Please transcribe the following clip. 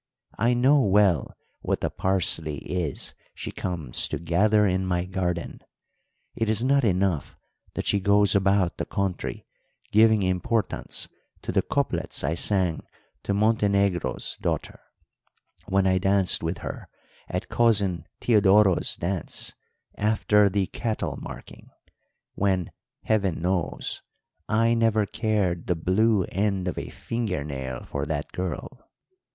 I know well what the parsley is she comes to gather in my garden. It is not enough that she goes about the country giving importance to the couplets I sang to Montenegro's daughter, when I danced with her at Cousin Teodoro's dance after the cattle marking, when, heaven knows, I never cared the blue end of a finger nail for that girl.